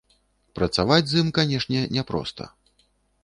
Працаваць з ім, канешне, няпроста.